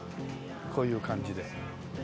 こういう感じで。